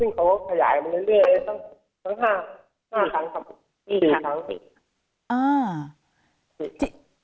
ซึ่งเขาก็ขยายมาเรื่อยทั้ง๕ครั้งครับผม๔ครั้ง